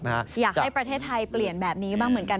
อยากให้ประเทศไทยเปลี่ยนแบบนี้บ้างเหมือนกัน